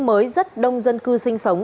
mới rất đông dân cư sinh sống